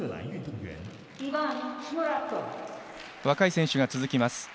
若い選手が続きます。